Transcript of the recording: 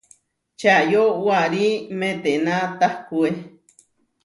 Čayó warí metená tahkué.